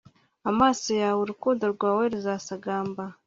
Amaso yawe urukundo rwawe ruzasagamba